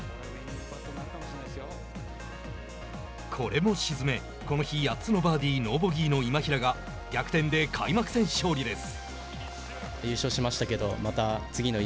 これも沈めこの日８つのバーディーノーボギーの今平が逆転で開幕戦勝利です。